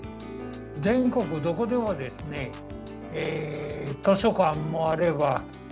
全国どこでもですね図書館もあれば公民館もある。